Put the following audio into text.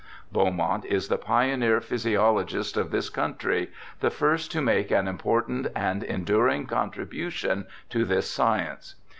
Beaumont is the pioneer ph3'siologist of this country, the first to make an important and enduring contribution to this science.